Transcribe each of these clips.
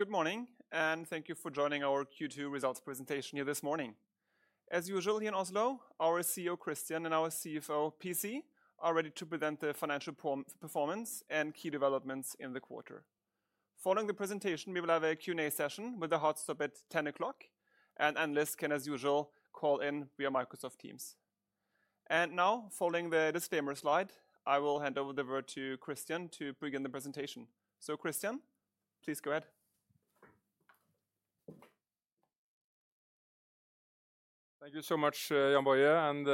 Good morning, and thank you for joining our Q2 results presentation here this morning. As usual here in Oslo, our CEO, Christian, and our CFO, Pisi, are ready to present the financial performance and key developments in the quarter. Following the presentation, we will have a Q and A session with a hot stop at 10:00, and analysts can, as usual, call in via Microsoft Teams. And now following the disclaimer slide, I will hand over the word to Christian to begin the presentation. So Christian, please go ahead. Thank you so much, Jan Boje, and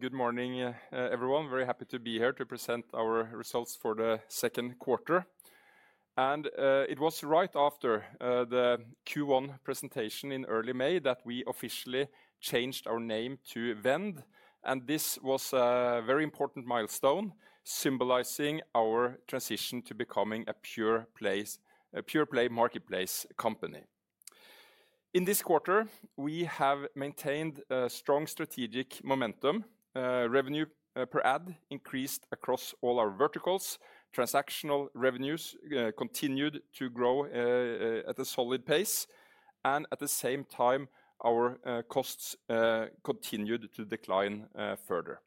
good morning, everyone. Very happy to be here to present our results for the second quarter. And it was right after the Q1 presentation in early May that we officially changed our name to Vend, and this was a very important milestone, symbolizing our transition to becoming a pure play marketplace company. In this quarter, we have maintained a strong strategic momentum. Revenue per ad increased across all our verticals. Transactional revenues continued to grow at a solid pace. And at the same time, our costs continued to decline further.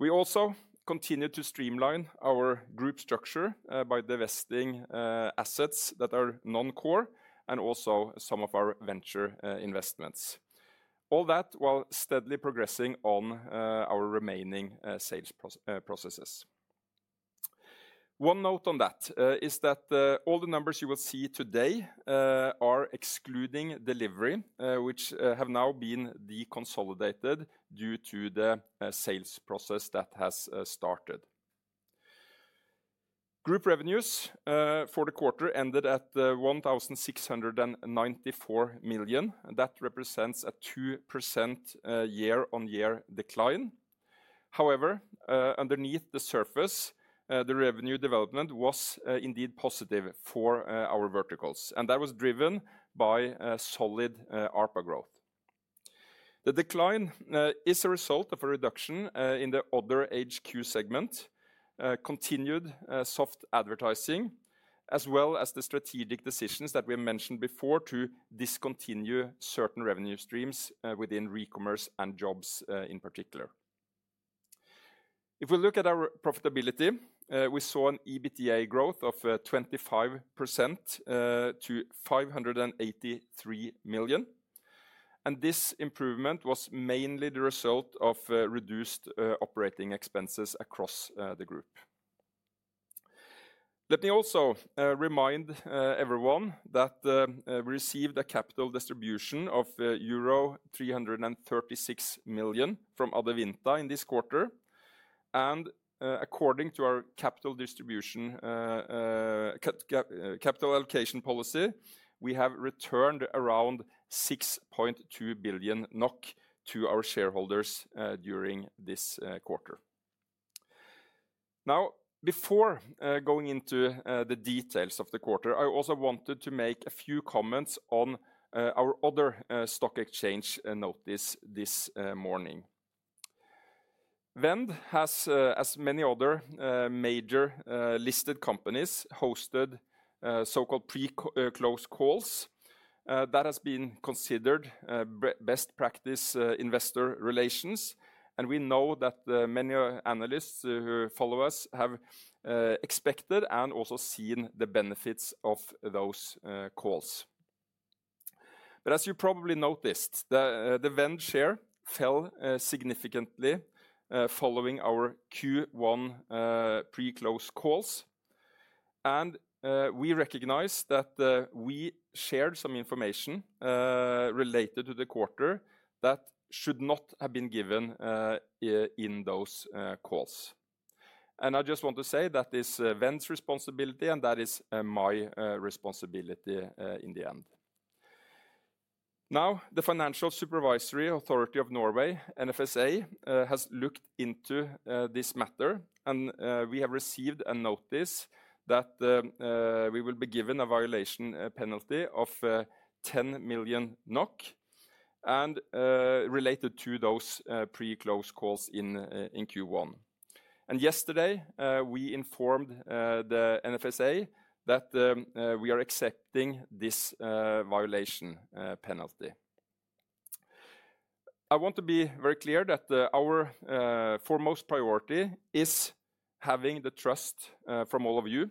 We also continued to streamline our group structure by divesting assets that are non core and also some of our venture investments. All that while steadily progressing on our remaining sales processes. One note on that is that all the numbers you will see today are excluding delivery, which have now been deconsolidated due to the sales process that has started. Group revenues for the quarter ended at $1,694,000,000, and that represents a 2% year on year decline. However, underneath the surface, the revenue development was indeed positive for our verticals, and that was driven by solid ARPA growth. The decline is a result of a reduction in the other HQ segment, continued soft advertising as well as the strategic decisions that we mentioned before to discontinue certain revenue streams within e commerce and jobs in particular. If we look at our profitability, we saw an EBITDA growth of 25% to million. And this improvement was mainly the result of reduced operating expenses across the group. Let me also remind everyone that we received a capital distribution of $336,000,000 from AdaVinta in this quarter. And according to our capital distribution capital allocation policy, we have returned around billion to our shareholders during this quarter. Now before going into the details of the quarter, I also wanted to make a few comments on our other stock exchange notice this morning. Vend has, as many other major listed companies, hosted so called pre close calls. That has been considered best practice investor relations. And we know that many analysts who follow us have expected and also seen the benefits of those calls. But as you probably noticed, the event share fell significantly following our Q1 pre close calls. And we recognized that we shared some information related to the quarter that should not have been given in those calls. And I just want to say that it's Vens' responsibility and that is my responsibility in the end. Now the Financial Supervisory Authority of Norway, NFSA, has looked into this matter and we have received a notice that we will be given a violation penalty of 10,000,000 and related to those pre close calls in Q1. And yesterday, we informed the NFSA that we are accepting this violation penalty. I want to be very clear that our foremost priority is having the trust from all of you,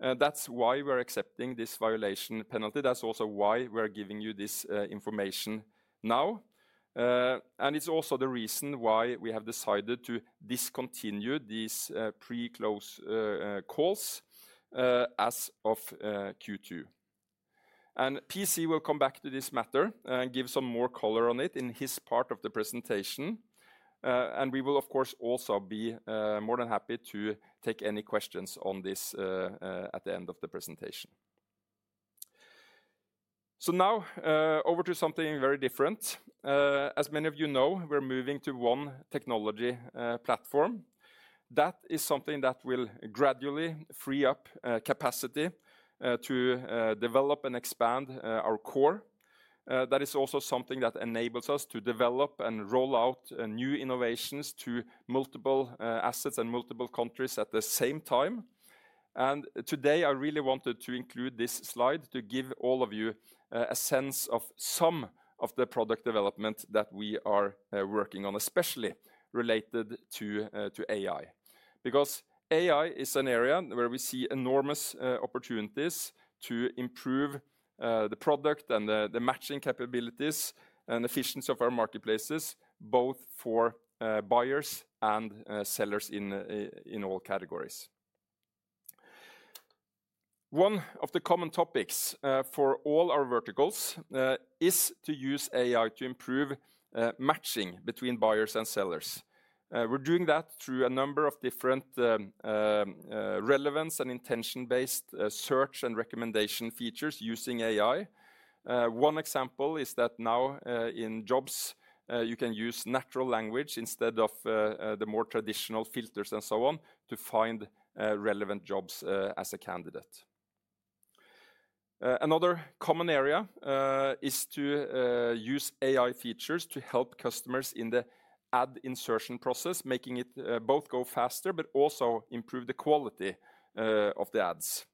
that's why we're accepting this violation penalty, that's also why we're giving you this information now. And it's also the reason why we have decided to discontinue these pre close calls as of Q2. And PC will come back to this matter and give some more color on it in his part of the presentation. And we will, of course, also be more than happy to take any questions on this at the end of the presentation. So now over to something very different. As many of you know, we're moving to one technology platform. That is something that will gradually free up capacity to develop and expand our core. That is also something that enables us to develop and roll out new innovations to multiple assets and multiple countries at the same time. And today, I really wanted to include this slide to give all of you a sense of some of the product development that we are working on, especially related to AI. Because AI is an area where we see enormous opportunities to improve the product and the matching capabilities and efficiency of our marketplaces, both for buyers and sellers in all categories. One of the common topics for all our verticals is to use AI to improve matching between buyers and sellers. We're doing that through a number of different relevance and intention based search and recommendation features using AI. One example is that now in jobs, you can use natural language instead of the more traditional filters and so on to find relevant jobs as a candidate. Another common area is to use AI features to help customers in the ad insertion process, making it both go faster but also improve the quality of the ads.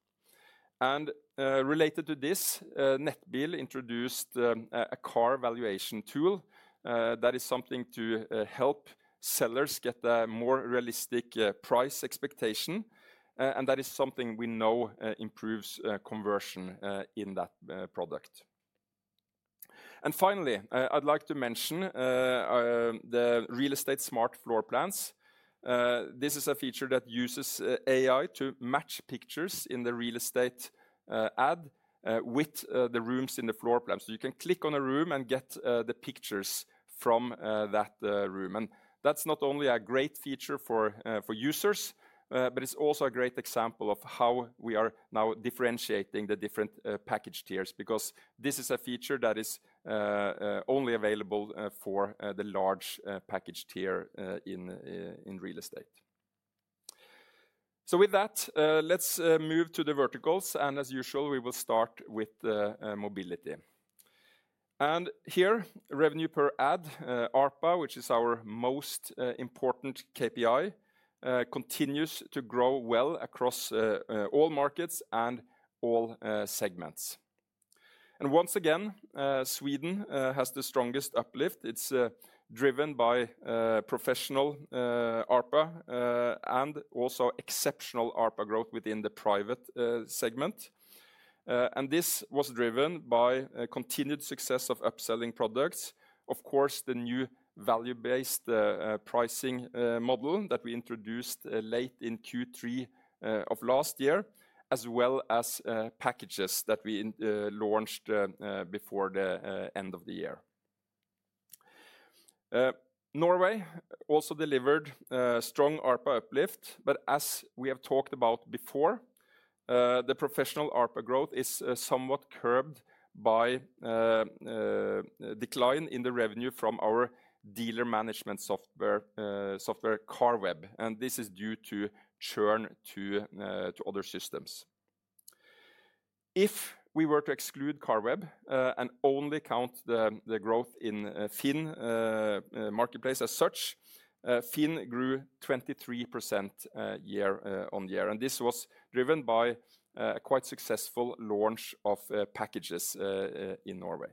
And related to this, NetBill introduced a car valuation tool that is something to help sellers get a more realistic price expectation and that is something we know improves conversion in that product. And finally, I'd like to mention the real estate smart floor plans. This is a feature that uses AI to match pictures in the real estate ad with the rooms in the floor plan. So you can click on a room and get the pictures from that room. And that's not only a great feature for users, but it's also a great example of how we are now differentiating the different package tiers because this is a feature that is only available for the large package tier in real estate. So with that, let's move to the verticals, and as usual, we will start with mobility. And here, revenue per ad, ARPA, which is our most important KPI, continues to grow well across all markets and all segments. And once again, Sweden has the strongest uplift. It's driven by professional ARPA and also exceptional ARPA growth within the private segment. And this was driven by continued success of upselling products, of course, the new value based pricing model that we introduced late in Q3 of last year as well as packages that we launched before the end of the year. Norway also delivered strong ARPU uplift, but as we have talked about before, the professional ARPU growth is somewhat curbed by decline in the revenue from our dealer management software Carweb, and this is due to churn to other systems. If we were to exclude Carweb and only count the growth in Fin marketplace as such, Fin grew 23% year on year. And this was driven by a quite successful launch of packages in Norway.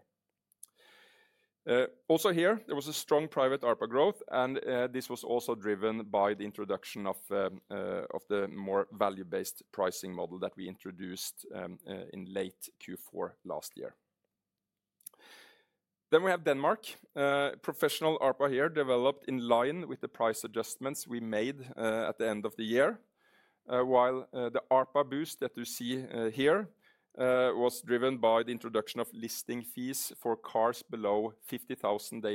Also here, there was a strong private ARPA growth, and this was also driven by the introduction of the more value based pricing model that we introduced in late Q4 last year. Then we have Denmark. Professional ARPA here developed in line with the price adjustments we made at the end of the year, while the ARPA boost that you see here was driven by the introduction of listing fees for cars below 50,000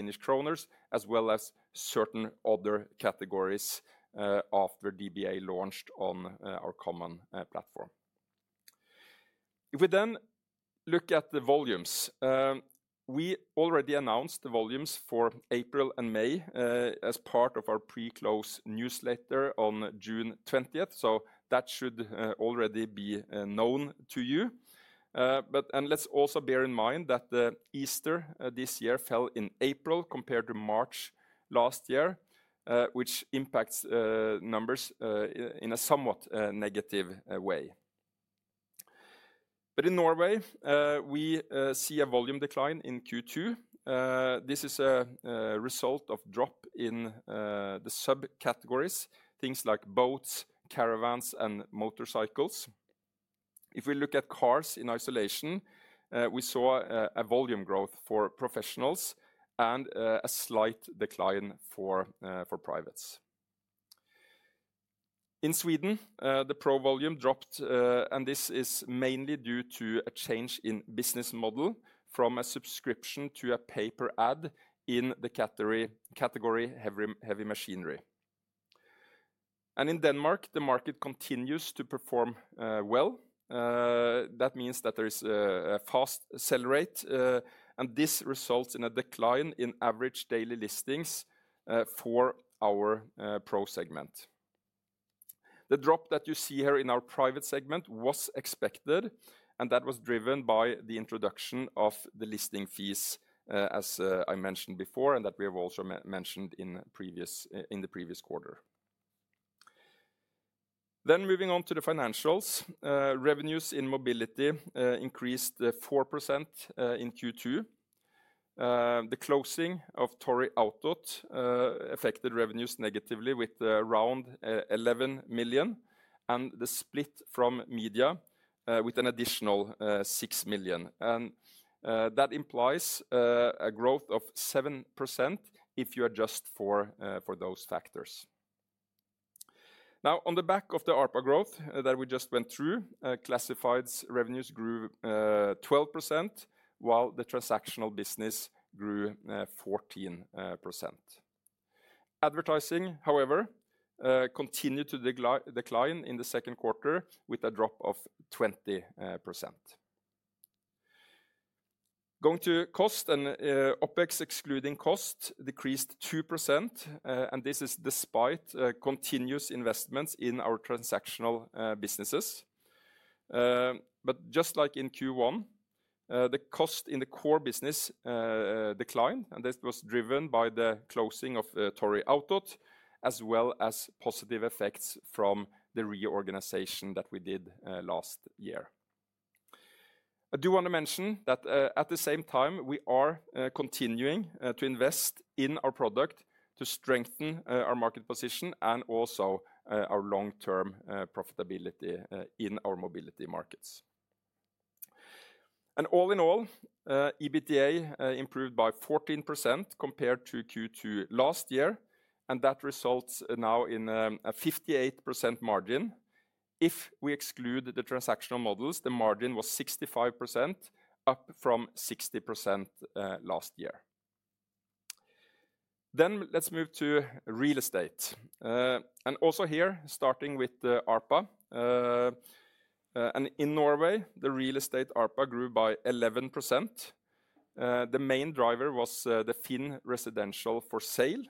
as well as certain other categories after DBA launched on our common platform. If we then look at the volumes, we already announced the volumes for April and May as part of our pre close newsletter on June 20, so that should already be known to you. But and let's also bear in mind that Easter this year fell in April compared to March year, which impacts numbers in a somewhat negative way. But in Norway, we see a volume decline in Q2. This is a result of drop in the subcategories, things like boats, caravans and motorcycles. If we look at cars in isolation, we saw a volume growth for professionals and a slight decline for privates. In Sweden, the pro volume dropped and this is mainly due to a change in business model from a subscription to a paper ad in the category heavy machinery. And in Denmark, the market continues to perform well. That means that there is a fast sell rate and this results in a decline in average daily listings for our pro segment. The drop that you see here in our private segment was expected and that was driven by the introduction of the listing fees, as I mentioned before, and that we have also mentioned in the previous quarter. Then moving on to the financials. Revenues in Mobility increased 4% in Q2. The closing of Torrey Auto affected revenues negatively with around 11,000,000 and the split from media with an additional 6,000,000. And that implies a growth of 7% if you adjust for those factors. Now on the back of the ARPA growth that we just went through, classifieds revenues grew 12%, while the transactional business grew 14%. Advertising, however, continued to decline in the second quarter with a drop of 20%. Going to cost and OpEx excluding cost decreased 2%, and this is despite continuous investments in our transactional businesses. But just like in Q1, the cost in the core business declined, and this was driven by the closing of Torrey Auto as well as positive effects from the reorganization that we did last year. I do want to mention that at the same time, we are continuing to invest in our product to strengthen our market position and also our long term profitability in our mobility markets. And all in all, EBITDA improved by 14% compared to Q2 last year and that results now in a 58% margin. If we exclude the transactional models, the margin was 65%, up from 60% last year. Then let's move to real estate. And also here, starting with ARPA. And in Norway, the real estate ARPA grew by 11%. The main driver was the Finn residential for sale,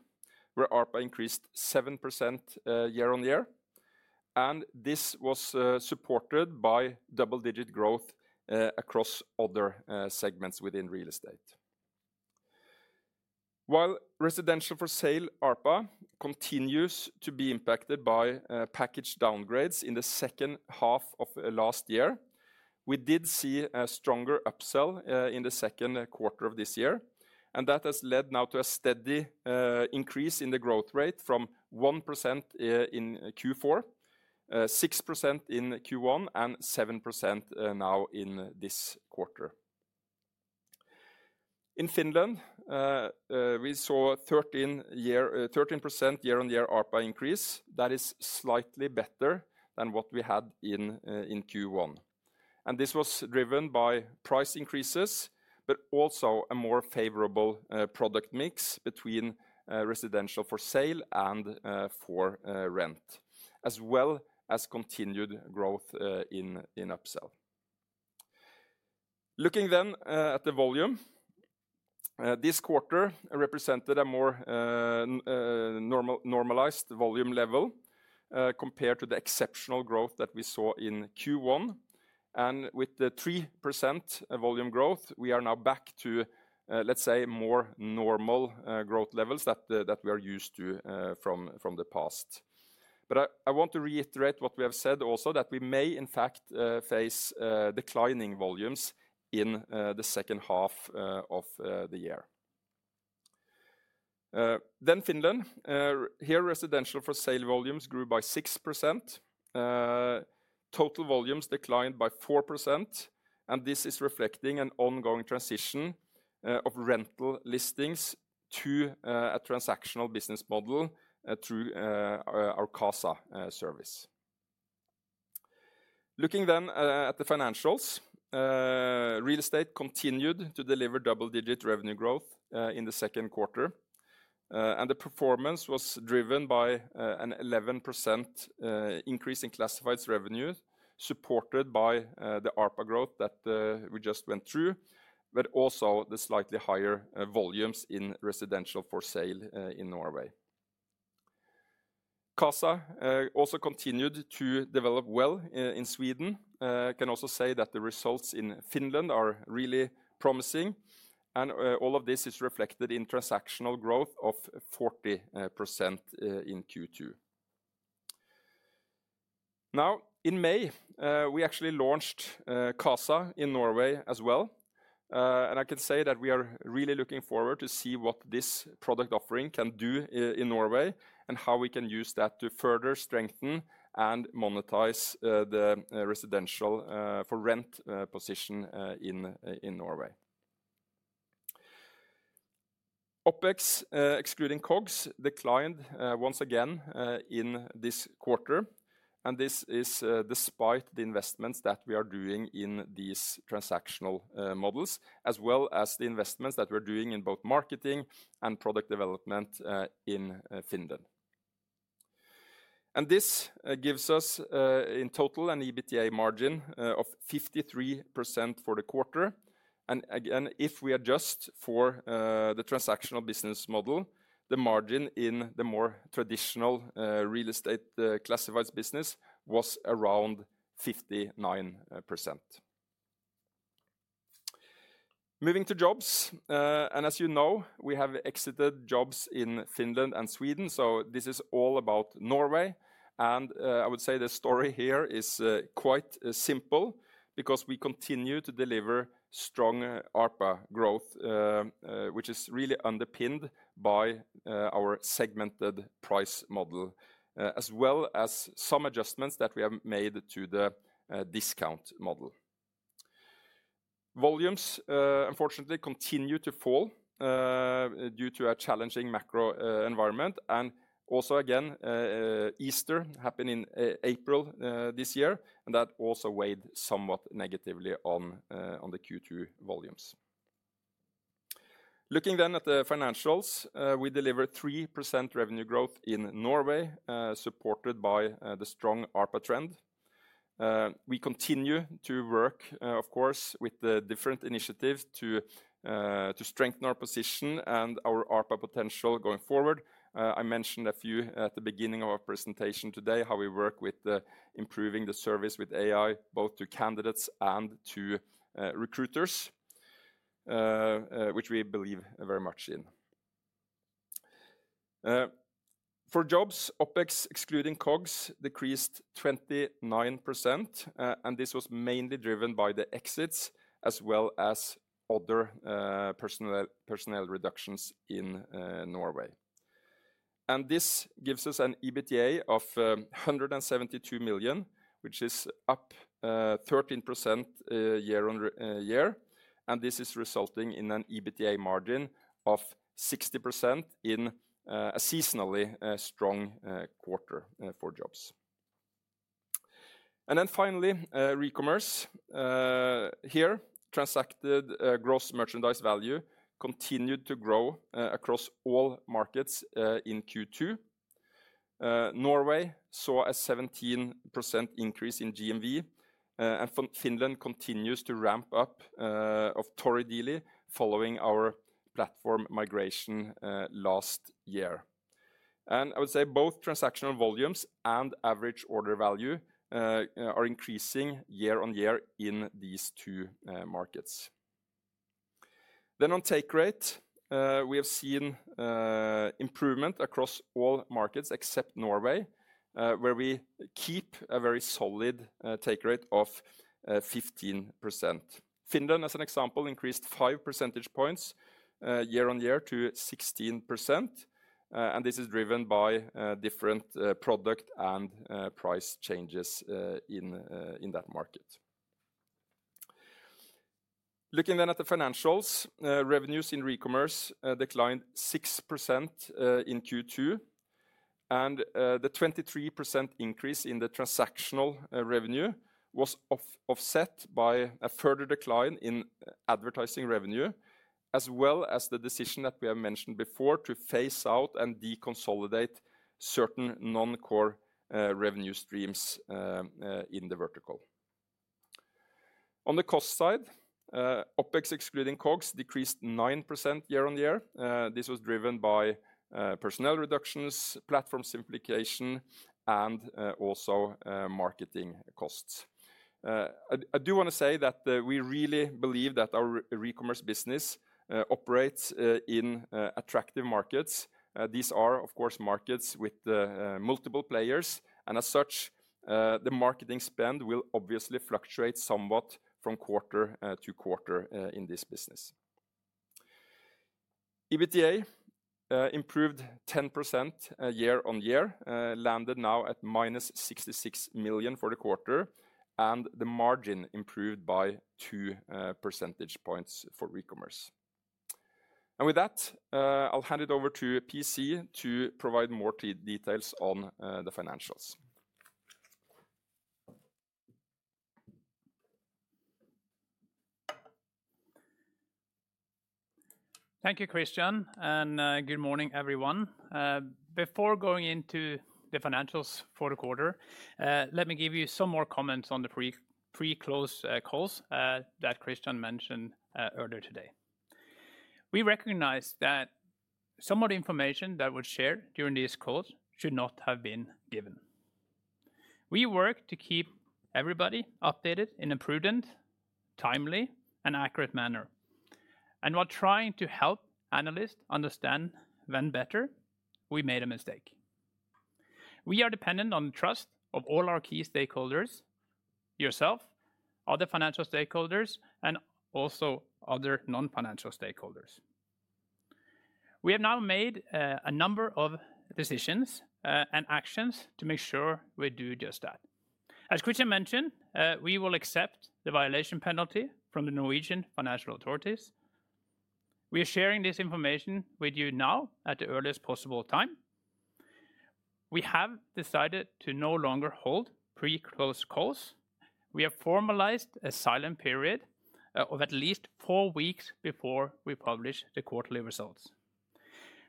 where ARPA increased 7% year on year. And this was supported by double digit growth across other segments within real estate. While residential for sale ARPA continues to be impacted by package downgrades in the second half of last year, we did see a stronger upsell in the second quarter of this year. And that has led now to a steady increase in the growth rate from 1% in Q4, six percent in Q1 and 7% now in this quarter. In Finland, we saw 13% year on year ARPA increase, that is slightly better than what we had in Q1. And this was driven by price increases, but also a more favorable product mix between residential for sale and for rent as well as continued growth in upsell. Looking then at the volume. This quarter represented a more normalized volume level compared to the exceptional growth that we saw in Q1. And with the 3% volume growth, we are now back to, let's say, more normal growth levels that we are used to from the past. But I want to reiterate what we have said also that we may, in fact, face declining volumes in the second half of the year. Then Finland. Here, residential for sale volumes grew by 6%. Total volumes declined by 4%, and this is reflecting an ongoing transition of rental listings to a transactional business model through our CASA service. Looking then at the financials. Real estate continued to deliver double digit revenue growth in the second quarter. And the performance was driven by an 11% increase in classifieds revenues, supported by the ARPA growth that we just went through, but also the slightly higher volumes in residential for sale in Norway. CASA also continued to develop well in Sweden. I can also say that the results in Finland are really promising. And all of this is reflected in transactional growth of 40% in Q2. Now in May, we actually launched Kasa in Norway as well. And I can say that we are really looking forward to see what this product offering can do in Norway and how we can use that to further strengthen and monetize the residential for rent position in Norway. OpEx, excluding COGS, declined once again in this quarter, and this is despite the investments that we are doing in these transactional models as well as the investments that we're doing in both marketing and product development in Finland. And this gives us in total an EBITDA margin of 53% for the quarter. And again, if we adjust for the transactional business model, the margin in the more traditional real estate classifieds business was around 59%. Moving to jobs. And as you know, we have exited jobs in Finland and Sweden, so this is all about Norway. And I would say the story here is quite simple because we continue to deliver strong ARPA growth, which is really underpinned by our segmented price model as well as some adjustments that we have made to the discount model. Volumes, unfortunately, continue to fall due to a challenging macro environment. And also again, Easter happened in April, and that also weighed somewhat negatively on the Q2 volumes. Looking then at the financials. We delivered 3% revenue growth in Norway, supported by the strong ARPA trend. We continue to work, of course, with the different initiatives to strengthen our position and our ARPA potential going forward. I mentioned a few at the beginning of our presentation today, how we work with improving the service with AI both to candidates and to recruiters, which we believe very much in. For jobs, OpEx excluding COGS decreased 29%, and this was mainly driven by the exits as well as other personnel reductions in Norway. And this gives us an EBITDA of 172,000,000, which is up 13% year on year, and this is resulting in an EBITDA margin of 60% in a seasonally strong quarter for jobs. And then finally, re commerce. Here, transacted gross merchandise value continued to grow across all markets in Q2. Norway saw a 17% increase in GMV. And Finland continues to ramp up of ToriDilly following our platform migration last year. And I would say both transactional volumes and average order value are increasing year on year in these two markets. Then on take rate, we have seen improvement across all markets except Norway, where we keep a very solid take rate of 15%. Finland, as an example, increased five percentage points year on year to 16%, and this is driven by different product and price changes in that market. Looking then at the financials. Revenues in e commerce declined 6% in Q2. And the 23% increase in the transactional revenue was offset by a further decline in advertising revenue as well as the decision that we have mentioned before to phase out and deconsolidate certain noncore revenue streams in the vertical. On the cost side, OpEx excluding COGS decreased 9% year on year. This was driven by personnel reductions, platform simplification and also marketing costs. I do want to say that we really believe that our e commerce business operates in attractive markets. These are, of course, markets with multiple players. And as such, the marketing spend will obviously fluctuate somewhat from quarter to quarter in this business. EBITDA improved 10% year on year, landed now at minus million for the quarter, and the margin improved by two percentage points for e commerce. And with that, I'll hand it over to PC to provide more details on the financials. Thank you, Christian, and good morning, everyone. Before going into the financials for the quarter, let me give you some more comments on the pre close calls that Christian mentioned earlier today. We recognize that some of the information that was shared during these calls should not have been given. We work to keep everybody updated in a prudent, timely and accurate manner, and while trying to help analysts understand when better, we made a mistake. We are dependent on the trust of all our key stakeholders yourself, other financial stakeholders and also other non financial stakeholders. We have now made a number of decisions and actions to make sure we do just that. As Christian mentioned, we will accept the violation penalty from the Norwegian financial authorities. We are sharing this information with you now at the earliest possible time. We have decided to no longer hold pre close calls. We have formalized a silent period of at least four weeks before we publish the quarterly results.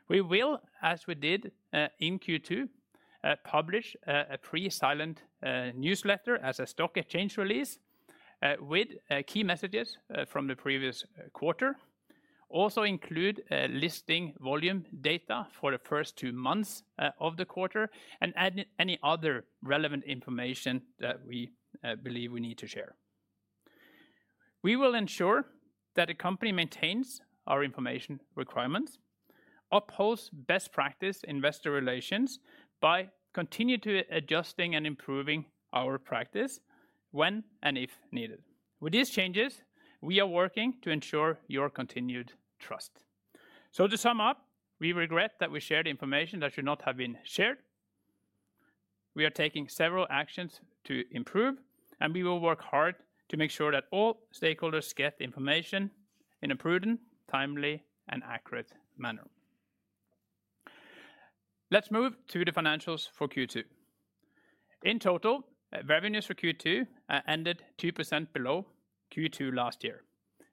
We will, as we did in Q2, publish a pre Silent Newsletter as a Stock Exchange release with key messages from the previous quarter, also include listing volume data for the first two months of the quarter and any other relevant information that believe we need to share. We will ensure that the company maintains our information requirements, upholds best practice investor relations by continually adjusting and improving our practice when and if needed. With these changes, we are working to ensure your continued trust. So to sum up, we regret that we shared information that should not have been shared, we are taking several actions to improve and we will work hard to make sure that all stakeholders get the information in a prudent, timely and accurate manner. Let's move to the financials for Q2. In total, revenues for Q2 ended 2% below Q2 last year,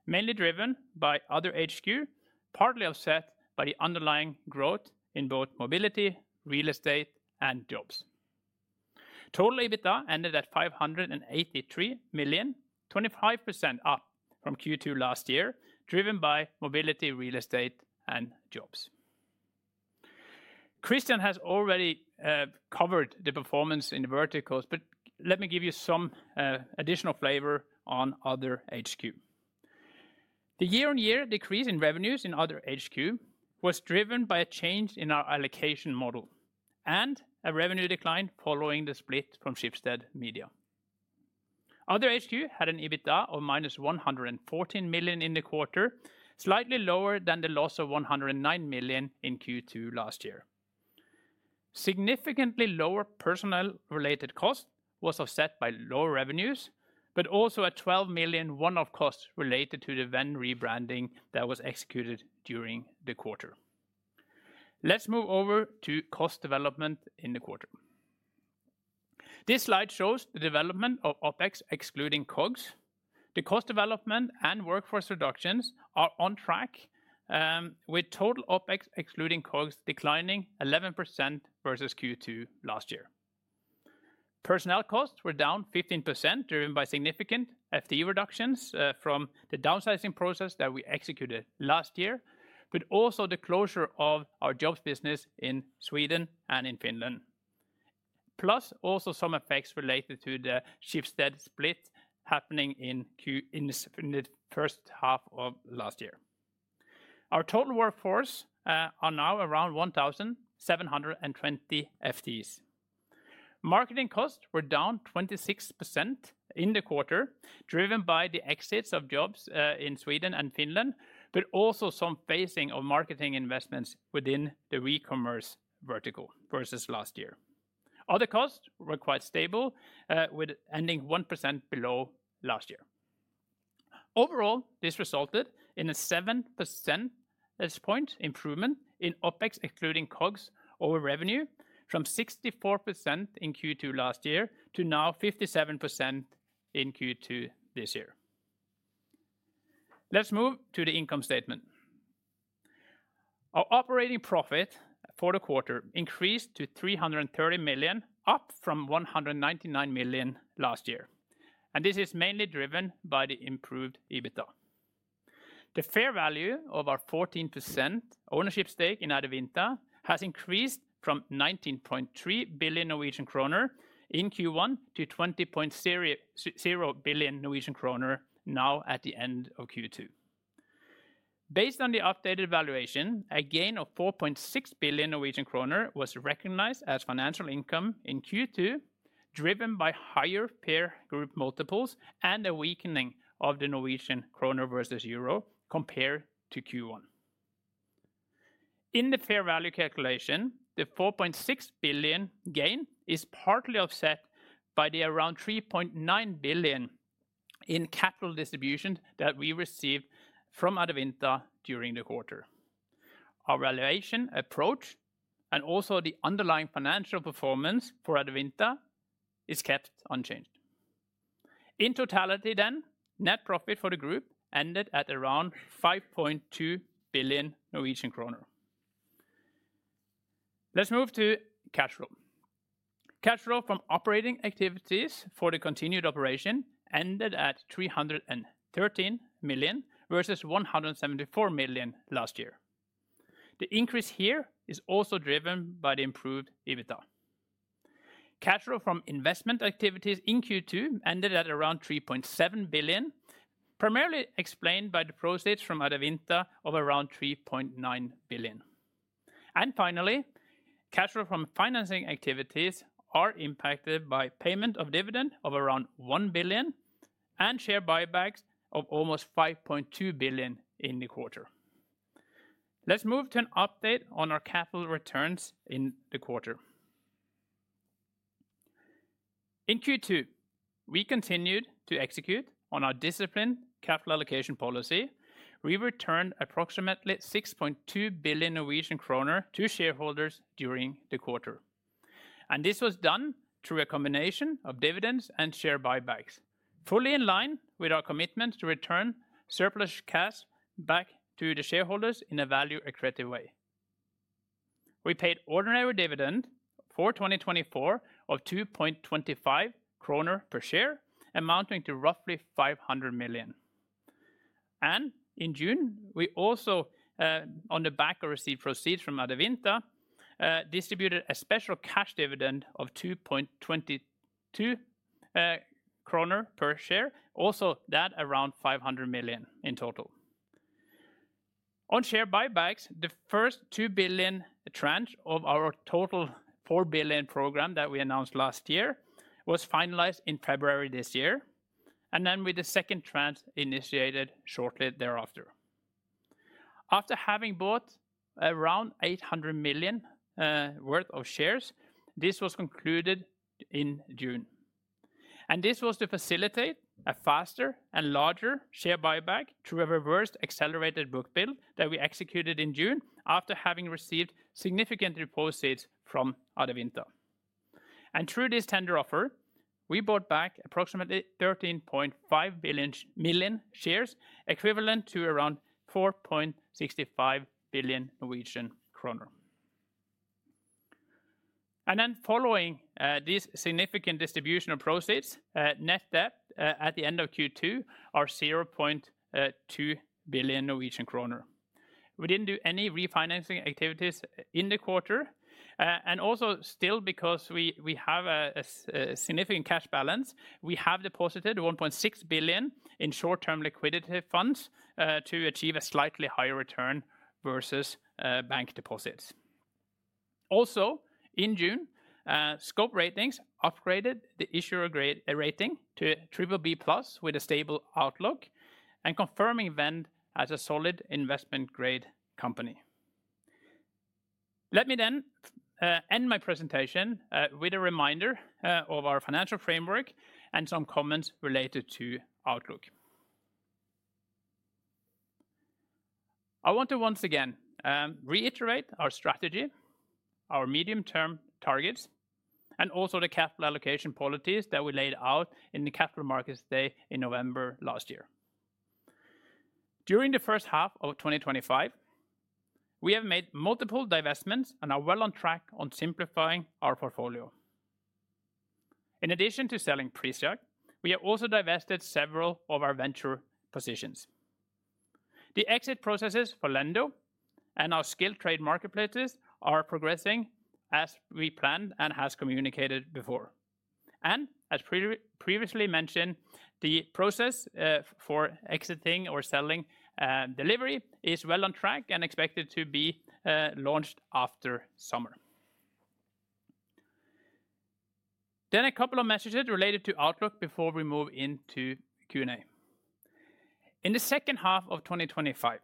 mainly driven by other HQ, partly offset by the underlying growth in both mobility, real estate and jobs. Total EBITDA ended at $583,000,000, 25% up from Q2 last year, driven by mobility, real estate and jobs. Christian has already covered the performance in the verticals, but let me give you some additional flavor on Other HQ. The year on year decrease in revenues in Other HQ was driven by a change in our allocation model and a revenue decline following the split from Schibsted Media. Other HQ had an EBITDA of minus 114,000,000 in the quarter, slightly lower than the loss of 109,000,000 in Q2 last year. Significantly lower personnel related costs was offset by lower revenues, but also a $12,000,000 one off cost related to the Venn rebranding that was executed during the quarter. Let's move over to cost development in the quarter. This slide shows the development of OpEx excluding COGS. The cost development and workforce reductions are on track, with total OpEx excluding COGS declining 11% versus Q2 last year. Personnel costs were down 15%, driven by significant FTE reductions from the downsizing process that we executed last year, but also the closure of our jobs business in Sweden and in Finland, plus also some effects related to the Schibsted split happening in the first half of last year. Our total workforce is now around seventeen twenty FTEs. Marketing costs were down 26% in the quarter, driven by the exits of jobs in Sweden and Finland, but also some phasing of marketing investments within the e commerce vertical versus last year. Other costs were quite stable, ending 1% below last year. Overall, this resulted in a seven percentage point improvement in OpEx excluding COGS over revenue from 64% in Q2 last year to now 57% in Q2 this year. Let's move to the income statement. Our operating profit for the quarter increased to $330,000,000, up from 199,000,000 last year, and this is mainly driven by the improved EBITDA. The fair value of our 14% ownership stake in Adevinta has increased from 19,300,000,000.0 in Q1 to 20,000,000,000 Norwegian kroner now at the end of Q2. Based on the updated valuation, a gain of 4,600,000,000.0 Norwegian kroner was recognized as financial income in Q2, driven by higher peer group multiples and a weakening of the Norwegian kroner versus Euro compared to Q1. In the fair value calculation, the 4,600,000,000.0 gain is partly offset by the around 3,900,000,000.0 in capital distributions that we received from Adevinta during the quarter. Our valuation approach and also the underlying financial performance for Adevinta is kept unchanged. In totality then, net profit for the group ended at around billion. Let's move to cash flow. Cash flow from operating activities for the continued operation ended at $313,000,000 versus 174,000,000 last year. The increase here is also driven by the improved EBITDA. Cash flow from investment activities in Q2 ended at 3,700,000,000.0, primarily explained by the proceeds from AdaVinta of around 3,900,000,000.0. And finally, cash flow from financing activities are impacted by payment of dividend of around 1,000,000,000 and share buybacks of almost 5,200,000,000.0 in the quarter. Let's move to an update on our capital returns in the quarter. In Q2, we continued to execute on our disciplined capital allocation policy. We returned approximately billion to shareholders during the quarter. And this was done through a combination of dividends and share buybacks, fully in line with our commitment to return surplus cash back to the shareholders in a value accretive way. We paid ordinary dividend for 2024 of 2.25 kronor per share, amounting to roughly 500,000,000. And in June, we also, on the back of receipt proceeds from Adevinta, distributed a special cash dividend of 2.22 kronor per share, also that around 500,000,000 in total. On share buybacks, the first 2,000,000,000 tranche of our total 4,000,000,000 program that we announced last year was finalized in February, and then with the second tranche initiated shortly thereafter. After having bought around 800,000,000 worth of shares, this was concluded in June. And this was to facilitate a faster and larger share buyback through a reversed accelerated book build that we executed in June after having received significant deposits from Adevinta. And through this tender offer, we bought back approximately 13,500,000.0 shares, equivalent to around 4,650,000,000.00. And then following this significant distribution of proceeds, net debt at the end of Q2 are 200,000,000.0 Norwegian kroner. We didn't do any refinancing activities in the quarter, and also still because we have a significant cash balance, we have deposited 1,600,000,000.0 in short term liquidity funds to achieve a slightly higher return versus bank deposits. Also, in June, Scope Ratings upgraded the issuer rating to BBB plus with a stable outlook, confirming Vend as a solid investment grade company. Let me then end my presentation with a reminder of our financial framework and some comments related to outlook. I want to once again reiterate our strategy, our medium term targets and also the capital allocation policies that we laid out in the Capital Markets Day in November. During the first half of twenty twenty five, we have made multiple divestments and are well on track on simplifying our portfolio. In addition to selling Preseq, we have also divested several of our venture positions. The exit processes for Lendo and our skilled trade marketplaces are progressing as we planned and has communicated before. And as previously mentioned, the process for exiting or selling delivery is well on track and expected to be launched after summer. Then a couple of messages related to outlook before we move into Q and A. In the second half of twenty twenty five,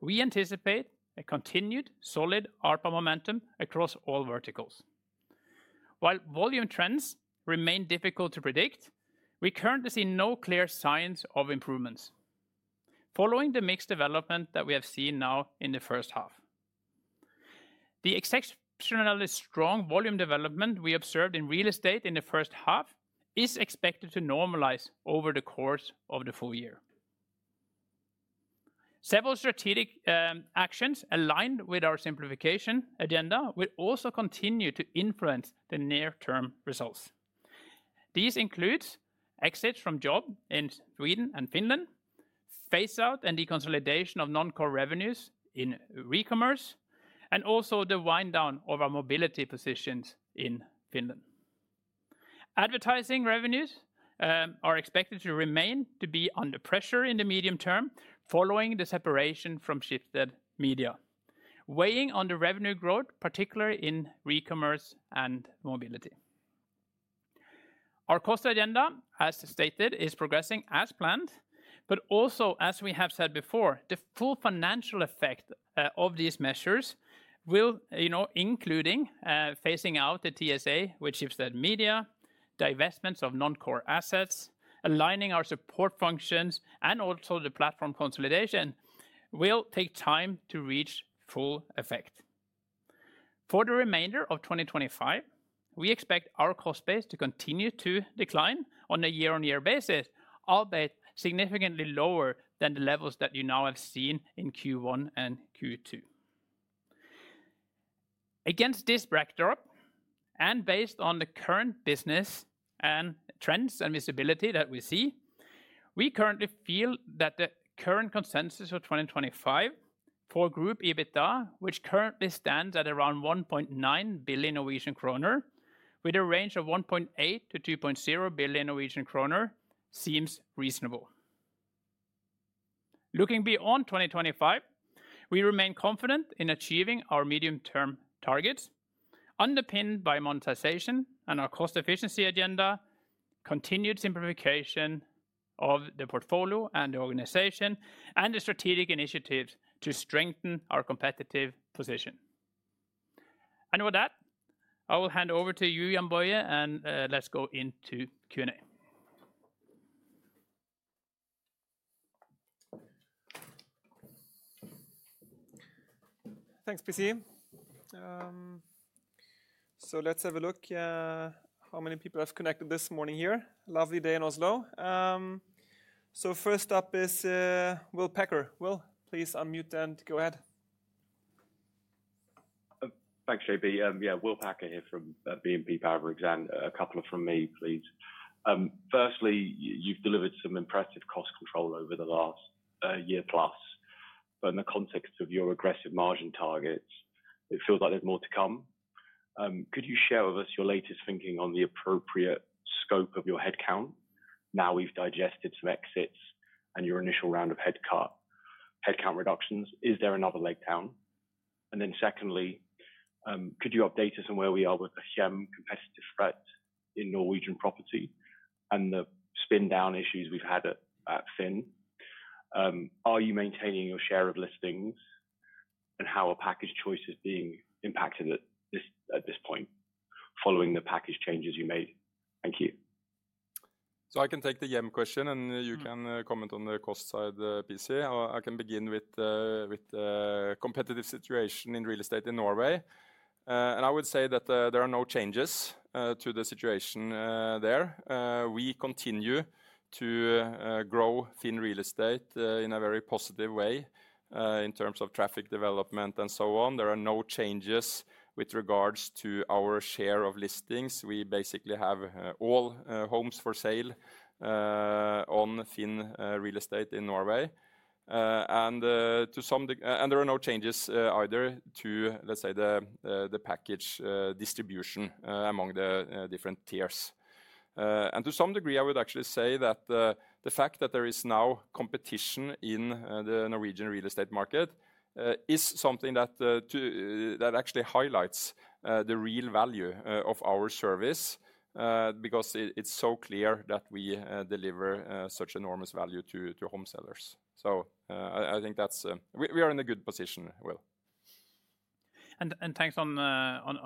we anticipate a continued solid ARPA momentum across all verticals. While volume trends remain difficult to predict, we currently see no clear signs of improvements, following the mixed development that we have seen now in the first half. The exceptionally strong volume development we observed in real estate in the first half is expected to normalize over the course of the full year. Several strategic actions aligned with our simplification agenda will also continue to influence the near term results. These include exits from jobs in Sweden and Finland, phase out and deconsolidation of non core revenues in e commerce and also the wind down of our mobility positions in Finland. Advertising revenues are expected to remain to be under pressure in the medium term following the separation from shifted media, weighing on the revenue growth, particularly in e commerce and mobility. Our cost agenda, as stated, is progressing as planned, but also as we have said before, the full financial effect of these measures will including phasing out the TSA with Schiffsted Media, divestments of non core assets, aligning our support functions and also the platform consolidation, will take time to reach full effect. For the remainder of 2025, we expect our cost base to continue to decline on a year on year basis, albeit significantly lower than the levels that you now have seen in Q1 and Q2. Against this backdrop, and based on the current business trends and visibility that we see, we currently feel that the current consensus for 2025 for Group EBITDA, which currently stands at around billion, with a range of 1.8 to 2,000,000,000 Norwegian kroner, seems reasonable. Looking beyond 2025, we remain confident in achieving our medium term targets, underpinned by monetization and our cost efficiency agenda, continued simplification of the portfolio and the organization and the strategic initiatives to strengthen our competitive position. And with that, I will hand over to Jojam Boye, and let's go into Q and A. Thanks, PC. So let's have a look how many people have connected this morning here. Lovely day in Oslo. So first up is Will Packer. Will, please unmute and go ahead. Thanks, JB. Yes, Will Packer here from BNP Paribas. A couple from me, please. Firstly, you've delivered some impressive cost control over the last year plus. But in the context of your aggressive margin targets, it feels like there's more to come. Could you share with us your latest thinking on the appropriate scope of your headcount? Now we've digested some exits and your initial round of headcount reductions. Is there another leg down? And then secondly, could you update us on where we are with the Hjem competitive threat in Norwegian property and the spin down issues we've had at Finn? Are you maintaining your share of listings and how a package choice is being impacted at this point following the package changes you made? Thank you. So I can take the JEM question and you can comment on the cost side, Bisi. I can begin with the competitive situation in real estate in Norway. And I would say that there are no changes to the situation there. We continue to grow Finn real estate in a very positive way in terms of traffic development and so on. There are no changes with regards to our share of listings. We basically have all homes for sale on Finn real estate in Norway. And some and there are no changes either to, let's say, the package distribution among the different tiers. And to some degree, I would actually say that the fact that there is now competition in the Norwegian real estate market is something that actually highlights the real value of our service because it's so clear that we deliver such enormous value to home sellers. So I think that's we are in a good position, Will. And thanks on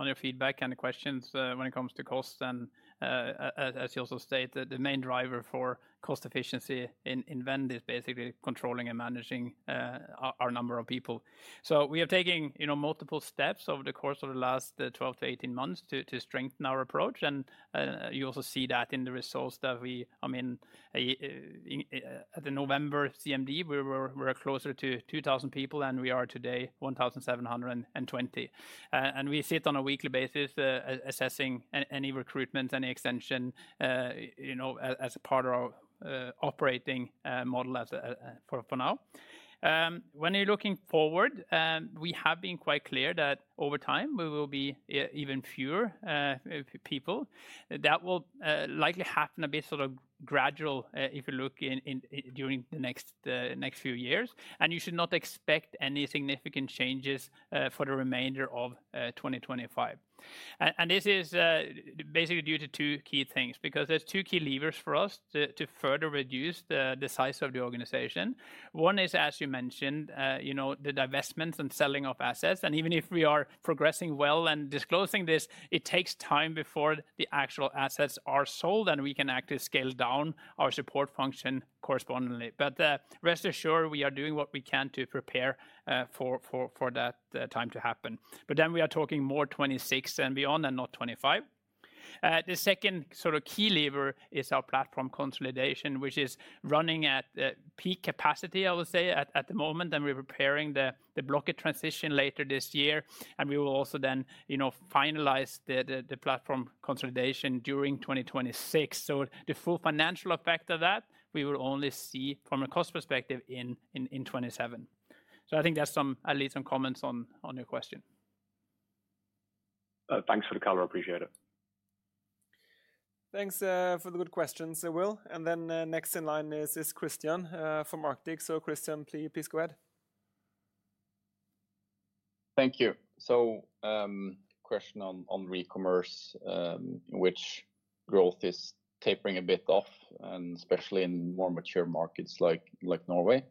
your feedback and the questions when it comes to cost. And as you also stated, the main driver for cost efficiency in Vend is basically controlling and managing our number of people. So we are taking multiple steps over the course of the last twelve to eighteen months to strengthen our approach. And you also see that in the results that we I mean, at the November CMD, we were closer to 2,000 people than we are today seventeen twenty. And we sit on a weekly basis assessing any recruitments, any extension as a part of our operating model for now. When you're looking forward, we have been quite clear that over time, we will be even fewer people. That will likely happen a bit sort of gradual if you look during the next few years, and you should not expect any significant changes for the remainder of 2025. And this is basically due to two key things, because there's two key levers for us to further reduce the size of the organization. One is, as you mentioned, the divestments and selling of assets. And even if we are progressing well and disclosing this, it takes time before the actual assets are sold, and we can actually scale down our support function correspondingly. But rest assured, we are doing what we can to prepare for that time to happen. But then we are talking more '26 and beyond and not '25. The second sort of key lever is our platform consolidation, which is running at peak capacity, I would say, at the moment, and we're preparing the Blocket transition later this year, and we will also then finalize the platform consolidation during 2026. So the full financial effect of that, we will only see from a cost perspective in 2027. So I think that's at least some comments on your question. Thanks for the color. I appreciate it. Thanks for the good questions, Will. And then next in line is Christian from Arctic. So Christian, please go ahead. Thank you. So a question on e commerce, which growth is tapering a bit off and especially in more mature markets like Norway.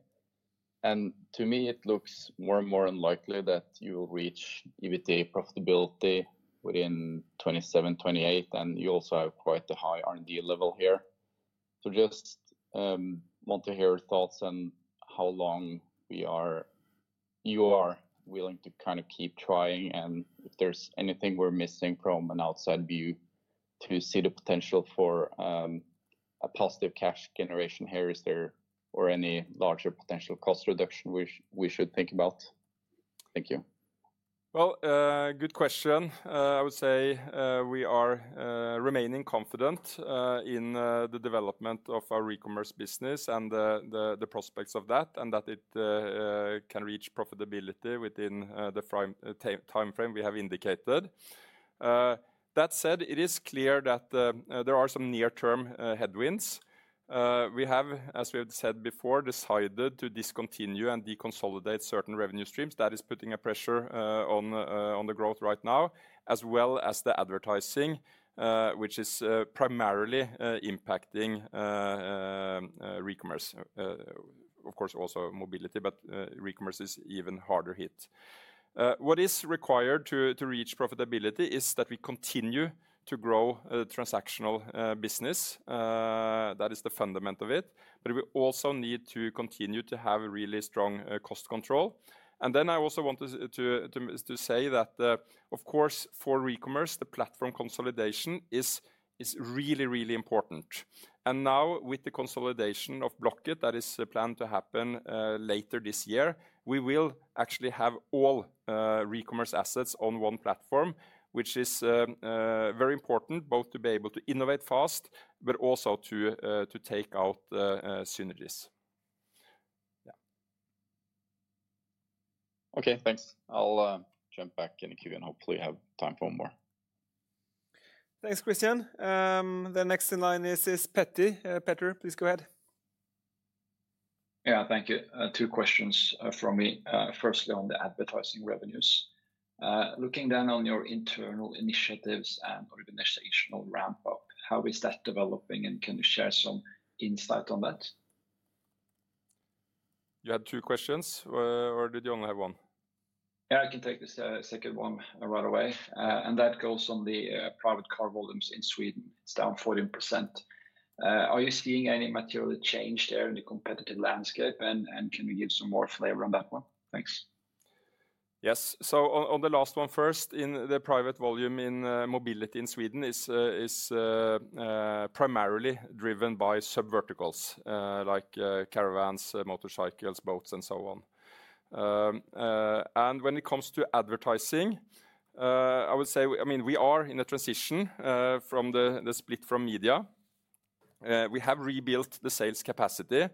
And to me, it looks more and more unlikely that you will reach EBITDA profitability within 2728, and you also have quite a high R and D level here. So just want to hear your thoughts on how long we are you are willing to kind of keep trying and if there's anything we're missing from an outside view to see the potential for a positive cash generation here. Is there or any larger potential cost reduction we should think about? Thank you. Well, good question. I would say we are remaining confident in the development of our e commerce business and the prospects of that and that it can reach profitability within the time frame we have indicated. That said, it is clear that there are some near term headwinds. We have, as we have said before, decided to discontinue and deconsolidate certain revenue streams. That is putting a pressure on the growth right now as well as the advertising, which is primarily impacting re commerce, of course, also mobility, but re commerce is even harder hit. What is required to reach profitability is that we continue to grow transactional business. That is the fundament of it. But we also need to continue to have a really strong cost control. And then I also want to say that, of course, for e commerce, the platform consolidation really, really important. And now with the consolidation of Blocket that is planned to happen later this year, we will actually have all e commerce assets on one platform, which is very important both to be able to innovate fast but also to take out synergies. Okay, thanks. I'll jump back in the queue and hopefully have time for more. Thanks, Christian. The next in line is Petty. Petty, please go ahead. Yes. Thank you. Two questions from me. Firstly, on the advertising revenues. Looking then on your internal initiatives and organizational ramp up, how is that developing, and can you share some insight on that? You had two questions, or did you only have one? Yeah. I can take this second one right away. And that goes on the private car volumes in Sweden. It's down 14%. Are you seeing any material change there in the competitive landscape? And can you give some more flavor on that one? Thanks. Yes. So on the last one first, in the private volume in mobility in Sweden is primarily driven by sub verticals like caravans, motorcycles, boats and so on. And when it comes to advertising, I would say I mean, we are in a transition from the split from media. We have rebuilt the sales capacity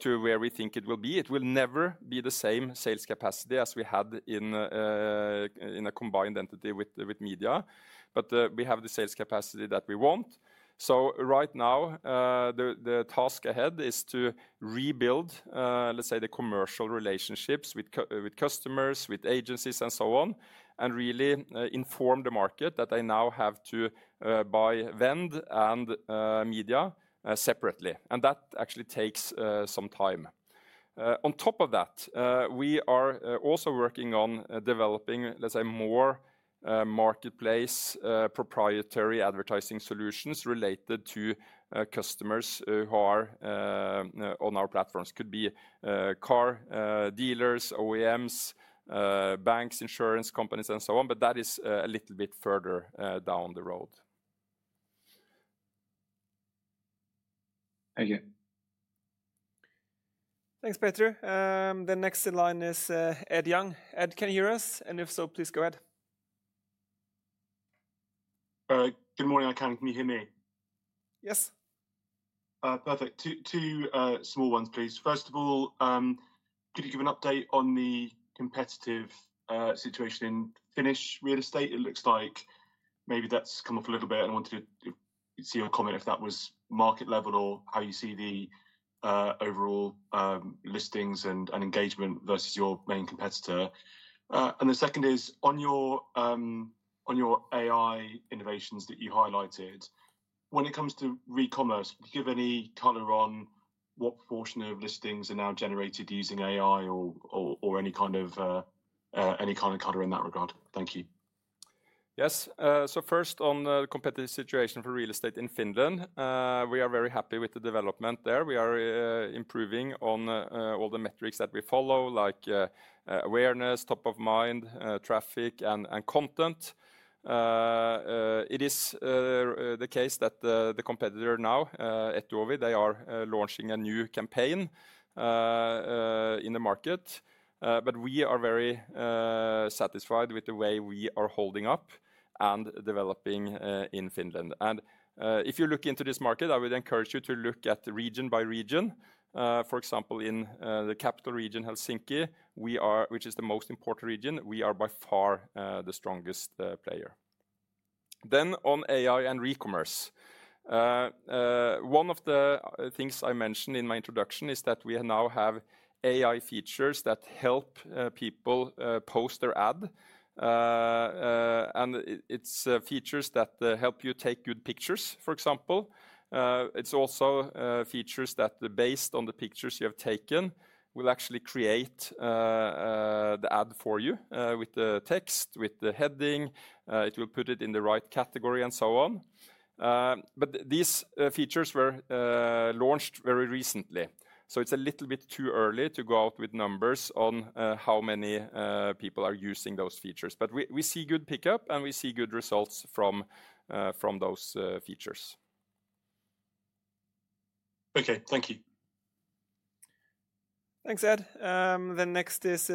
to where we think it will be. It will never be the same sales capacity as we had in a combined entity with media. But we have the sales capacity that we want. So right now, the task ahead is to rebuild, let's say, the commercial relationships with customers, with agencies and so on, and really inform the market that they now have to buy Vend and Media separately. And that actually takes some time. On top of that, we are also working on developing, let's say, more marketplace proprietary advertising solutions related to customers who are on our platforms, could be car dealers, OEMs, banks, insurance companies and so on, but that is a little bit further down the road. Thank you. Thanks, Peter. The next in line is Ed Young. Ed, can you hear us? And if so, please go ahead. Good morning, I can. Can you hear me? Yes. Perfect. Two two, small ones, please. First of all, could you give an update on the competitive, situation in Finnish real estate? It looks like maybe that's come off a little bit. I wanted to see your comment if that was market level or how you see the, overall, listings and and engagement versus your main competitor. And the second is on your, on your AI innovations that you highlighted, When it comes to e commerce, do you have any color on what portion of listings are now generated using AI or any kind of color in that regard? Thank you. Yes. So first, on the competitive situation for real estate in Finland. We are very happy with the development there. We are improving on all the metrics that we follow, like awareness, top of mind, traffic and content. It is the case that the competitor now, ETOVI, they are launching a new campaign in the market. But we are very satisfied with the way we are holding up and developing in Finland. And if you look into this market, I would encourage you to look at region by region. For example, in the capital region, Helsinki, we are which is the most important region, we are by far the strongest player. Then on AI and e commerce. One of the things I mentioned in my introduction is that we now have AI features that help people post their ad. And it's features that help you take good pictures, for example. It's also features that based on the pictures you have taken will actually create the ad for you with the text, with the heading, it will put it in the right category and so on. But these features were launched very recently. So it's a little bit too early to go out with numbers on how many people are using But we see good pickup and we see good results from those features. Thank you. Thanks, Ed. The next is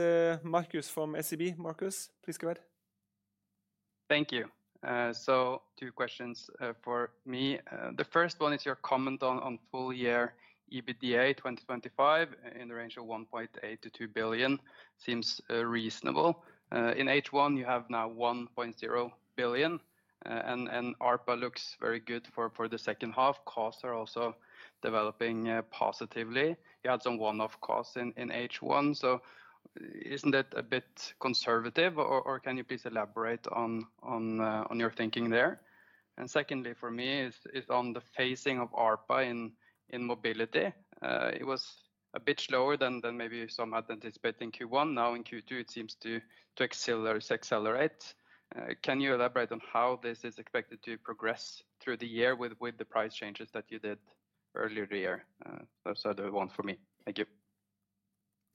Markus from SEB. Markus, please go ahead. Thank you. So two questions for me. The first one is your comment on full year EBITDA 2025 in the range of 1,800,000,000.0 to 2,000,000,000, seems reasonable. In H1, you have now €1,000,000,000 and ARPA looks very good for the second half. Costs are also developing positively. You had some one off costs in H1. So isn't that a bit conservative? Or can you please elaborate on your thinking there? And secondly, for me, on the phasing of ARPA in Mobility. It was a bit slower than maybe some had anticipated in Q1. Now in Q2, it seems to accelerate. Can you elaborate on how this is expected to progress through the year with the price changes that you did earlier in the year? That's sort of one for me. Thank you.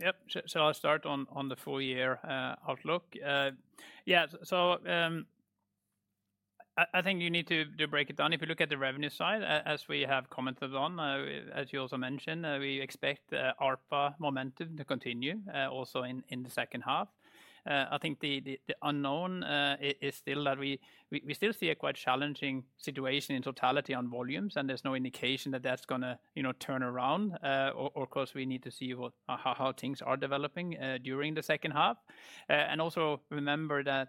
Yes. So I'll start on the full year outlook. Yes, so I think you need to break it down. If you look at the revenue side, as we have commented on, as you also mentioned, we expect ARPA momentum to continue also in the second half. I think the unknown is still that we still see a quite challenging situation in totality on volumes, and there's no indication that, that's going to turn around. Of course, we need to see how things are developing during the second half. And also remember that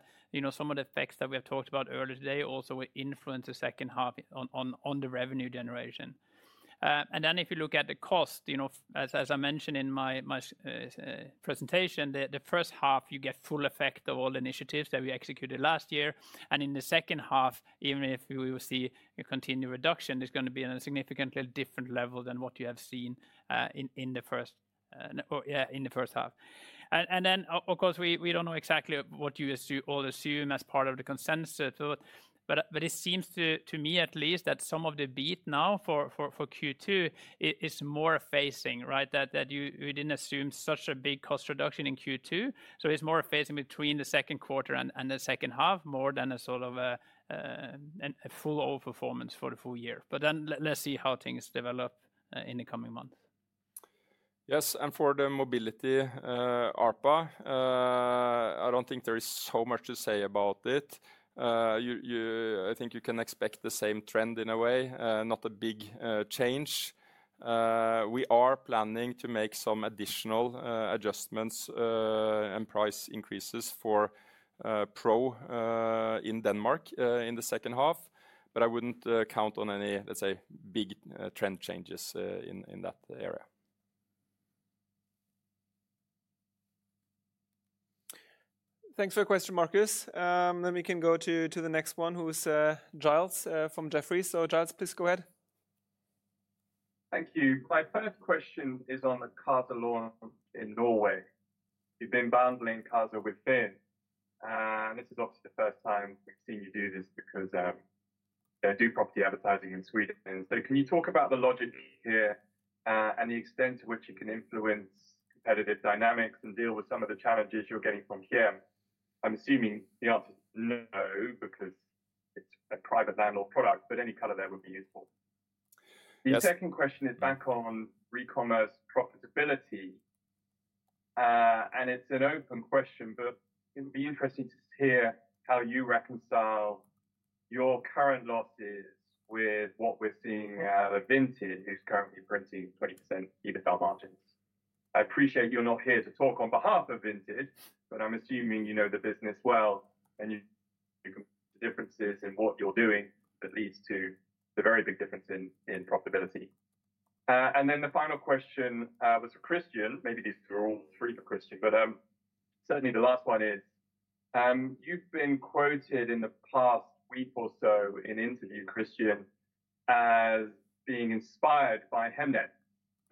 some of the effects that we have talked about earlier today also will influence the second half on the revenue generation. And then if you look at the cost, as I mentioned in my presentation, the first half, you get full effect of all initiatives that we executed last year. And in the second half, even if we will see a continued reduction, it's going to be in a significantly different level than what you have seen in the first half. And then, of course, we don't know exactly what you all assume as part of the consensus. But it seems to me at least that some of the beat now for Q2 is more phasing, right, that we didn't assume such a big cost reduction in Q2. So it's more phasing between the second quarter and the second half, more than a sort of full overperformance for the full year. But then let's see how things develop in the coming months. Yes. And for the mobility ARPA, I don't think there is so much to say about it. I think you can expect the same trend in a way, not a big change. We are planning to make some additional adjustments and price increases for pro in Denmark in the second half. But I wouldn't count on any, let's say, big trend changes in that area. Thanks for your question, Marcus. Then we can go to to the next one who is, Giles, from Jefferies. So, Giles, please go ahead. Thank you. My first question is on the in Norway. You've been bundling within, and this is obviously the first time we've seen you do this because they do property advertising in Sweden. So can you talk about the logic here, and the extent to which you can influence competitive dynamics and deal with some of the challenges you're getting from here? I'm assuming the answer is no because it's a private landlord product, but any color there would be useful. The second question is back on ecommerce profitability, and it's an open question, but it'd be interesting to hear how you reconcile your current losses with what we're seeing Vintage who's currently printing 20% EBITDA margins. I appreciate you're not here to talk on behalf of Vintage, but I'm assuming you know the business well and you differences in what you're doing that leads to the very big difference in in profitability. And then the final question was for Christian. Maybe these are all three for Christian, but certainly the last one is, you've been quoted in the past week or so in interview, Christian, as being inspired by Hemnet,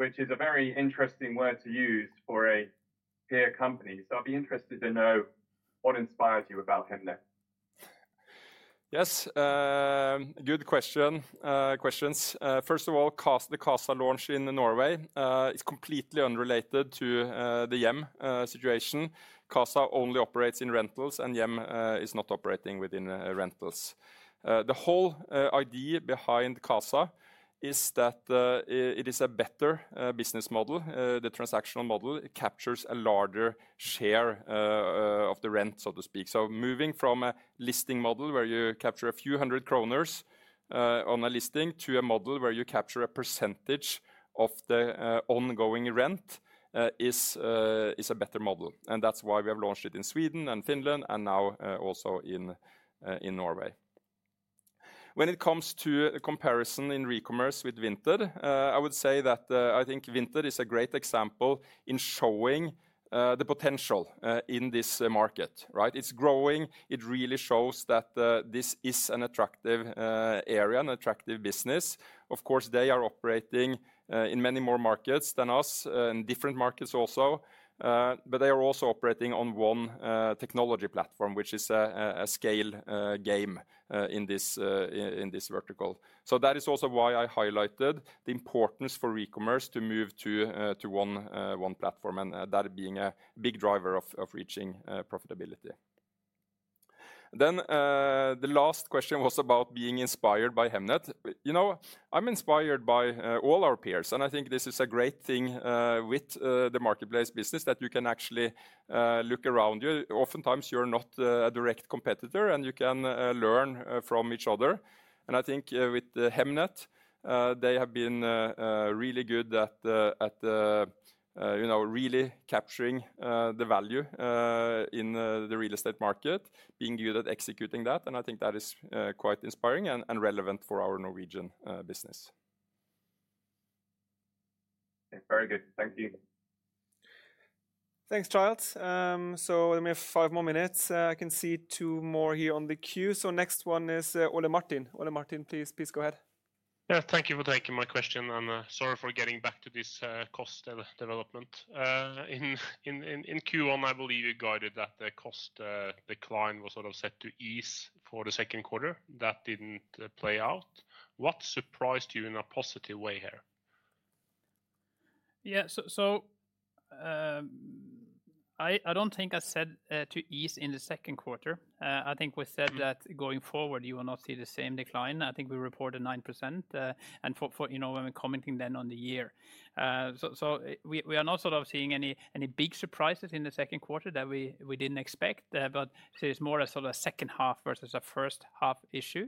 which is a very interesting word to use for a peer company. So I'll be interested to know what inspired you about Hemnet. Yes. Good questions. First of all, the Kasa launch in Norway is completely unrelated to the Yem situation. Kasa only operates in rentals and Yem is not operating within rentals. The whole idea behind Kasa is that it is a better business model. The transactional model captures a larger share of the rent, so to speak. So moving from a listing model where you capture a few 100 kroners on a listing to a model where you capture a percentage of the ongoing rent is a better model. And that's why we have launched it in Sweden and Finland and now also in Norway. When it comes to comparison in e commerce with Vinted, I would say that I think Vinted is a great example in showing the potential in this market, right? It's growing. It really shows that this is an attractive area, an attractive business. Of course, they are operating in many more markets than us, in different markets also. But they are also operating on one technology platform, which is a scale game in this vertical. So that is also why I highlighted the importance for e commerce to move to one platform and that being a big driver of reaching profitability. Then the last question was about being inspired by Hemnet. I'm inspired by all our peers, and I think this is a great thing with the marketplace business that you can actually look around you. Oftentimes, you're not a direct competitor and you can learn from each other. And I think with Hemnet, they have been really good at really capturing the value in the real estate market, being good at executing that. And I think that is quite inspiring and relevant for our Norwegian business. Very good. Thank you. Thanks, Charles. So only five more minutes. I can see two more here on the queue. So next one is Ole Martin. Ole Martin, please go ahead. Yes. Thank you for taking my question. And sorry for getting back to this cost development. In Q1, I believe you guided that the cost decline was sort of set to ease for the second quarter. That didn't play out. What surprised you in a positive way here? Yes. So I don't think I said to ease in the second quarter. I think we said that going forward, you will not see the same decline. I think we reported 9% and when we're commenting then on the year. So we are not sort of seeing any big surprises in the second quarter that we didn't expect, but it's more a sort of second half versus a first half issue.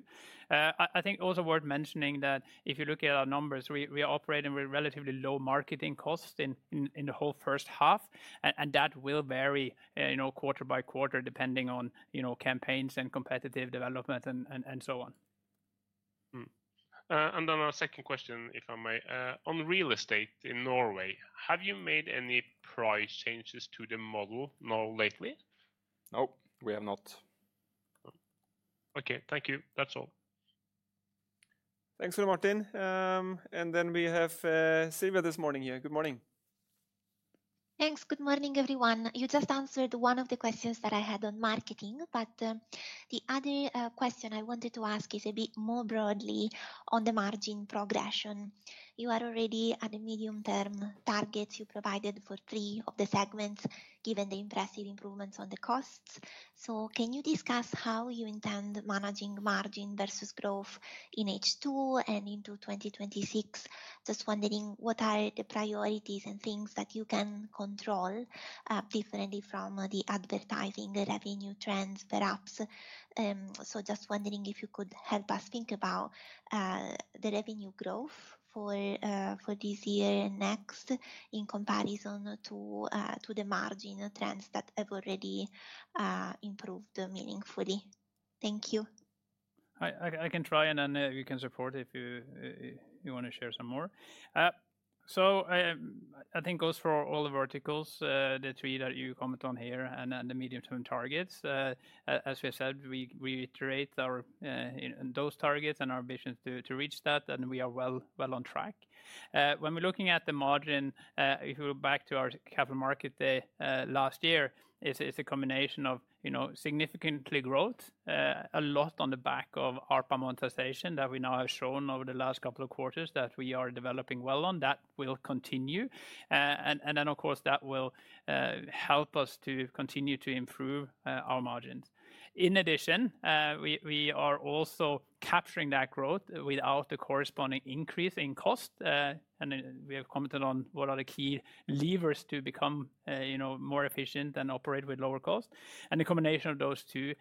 I think also worth mentioning that if you look at our numbers, we are operating with relatively low marketing costs in the whole first half, and that will vary quarter by quarter depending on campaigns and competitive development and so on. And then our second question, if I may. On real estate in Norway, have you made any price changes to the model now lately? No, we have not. Thank you. That's all. Thanks a lot, Martin. And then we have Silvia this morning here. Good morning. Thanks. Good morning, everyone. You just answered one of the questions that I had on marketing. But the other question I wanted to ask is a bit more broadly on the margin progression. You are already at a medium term target you provided for three of the segments, given the impressive improvements on the costs. So can you discuss how you intend managing margin versus growth in H2 and into 2026? Just wondering what are the priorities and things that you can control differently from the advertising revenue trends perhaps. So just wondering if you could help us think about the revenue growth for this year and next in comparison to the margin trends that have already improved meaningfully? Thank you. I can try and then we can support if you want to share some more. So I think it goes for all the verticals, the three that you comment on here and the medium term targets. As we said, we reiterate our those targets and our ambition to reach that, and we are well on track. When we're looking at the margin, if you go back to our Capital Market Day last year, it's a combination of significantly growth, a lot on the back of ARPA monetization that we now have shown over the last couple quarters that we are developing well on. That will continue. And then of course, that will help us to continue to improve our margins. In addition, we are also capturing that growth without the corresponding increase in cost. And we have commented on what are the key levers to become more efficient and operate with lower cost. And the combination of those two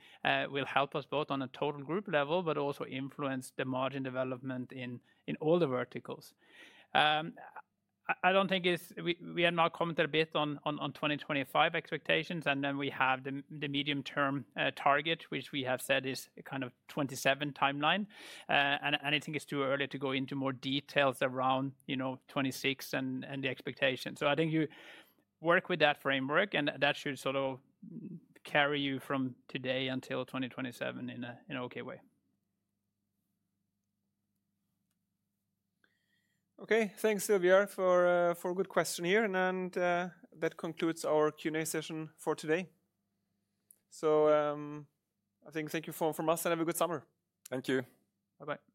will help us both on a total group level but also influence the margin development in all the verticals. I don't think it's we had now commented a bit on 2025 expectations, and then we have the medium term target, which we have said is kind of 2027 timeline. And I think it's too early to go into more details around 'twenty six and the expectations. So I think you work with that framework and that should sort of carry you from today until 2027 in an okay way. Okay. Thanks, Silviar, for a good question here. And that concludes our Q and A session for today. So think thank you for all from us, have a good summer. Thank you. Bye bye.